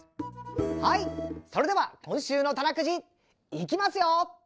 はいそれでは今週の「たなくじ」いきますよ！